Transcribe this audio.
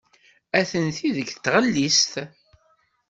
Atenti deg tɣellist.